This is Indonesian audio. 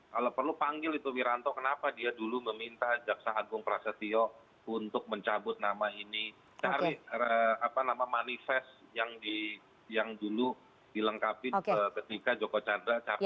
kalau perlu panggil itu wiranto kenapa dia dulu meminta jaksa agung prasetyo untuk mencabut nama ini cari manifest yang dulu dilengkapi ketika joko chandra